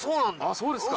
そうですか。